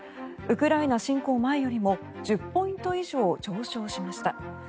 ウクライナ侵攻前よりも１０ポイント以上上昇しました。